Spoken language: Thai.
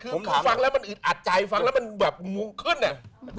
คือฟังแล้วมันอึดอัดใจฟังแล้ววงขึ้นน่ะ